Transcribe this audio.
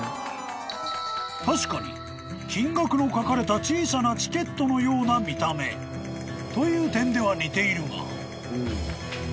［確かに金額の書かれた小さなチケットのような見た目という点では似ているが］